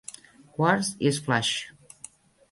Quartz i Sflash.